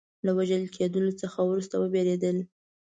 له وژل کېدلو څخه وروسته وبېرېدل.